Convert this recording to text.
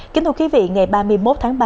kính thưa quý vị ngày ba mươi một tháng ba